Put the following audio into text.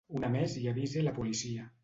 Una més i avise la policia.